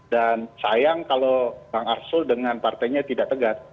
dan sayang kalau bang arsul dengan partainya tidak tegak